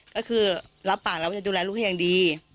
ก็คือรับปากแล้วว่าจะดูแลลูกให้อย่างดี